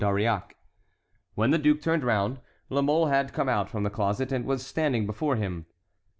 d'Auriac. When the duke turned round, La Mole had come out from the closet and was standing before him.